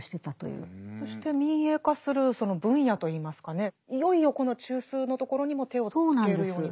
そして民営化するその分野といいますかねいよいよこの中枢のところにも手をつけるようになる。